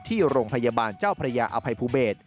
ที่โรงพยาบาลเจ้าพระยาอภัยภูเบศ